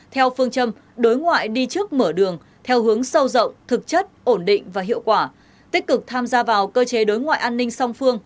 theo phương châm đối ngoại đi trước mở đường theo hướng sâu rộng thực chất ổn định và hiệu quả tích cực tham gia vào cơ chế đối ngoại an ninh song phương